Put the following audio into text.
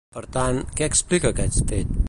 Per tant, què explica aquest fet?